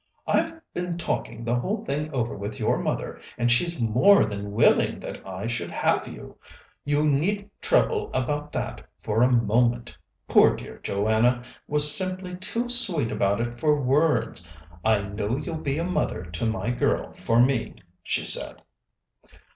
"I've been talking the whole thing over with your mother, and she's more than willing that I should have you. You needn't trouble about that for a moment. Poor dear Joanna was simply too sweet about it for words. 'I know you'll be a mother to my girl for me,' she said."